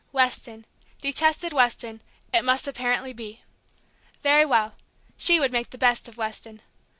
Weston, detested Weston, it must apparently be. Very well, she would make the best of Weston.